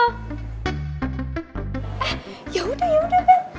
eh yaudah yaudah ben